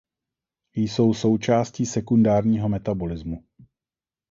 Jsou součástí sekundárního metabolismu.